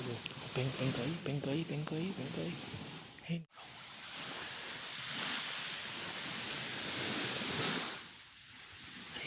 โดยไม่ต่อไปให้ได้พอเวลาค่ะ